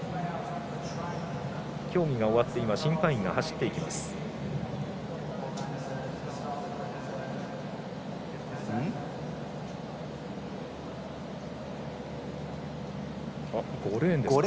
協議が終わって審判員が走っていきました。